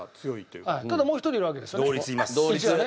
ただもう一人いるわけですよね？